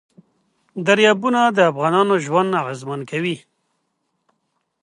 دریابونه د افغانانو ژوند اغېزمن کوي.